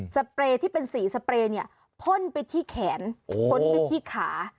เปรย์ที่เป็นสีสเปรย์เนี่ยพ่นไปที่แขนพ้นไปที่ขา